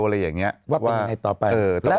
ว่าเป็นยังไงต่อไป